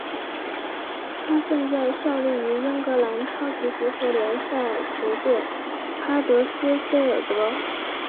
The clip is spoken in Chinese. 他现在效力于英格兰超级足球联赛球队哈德斯菲尔德。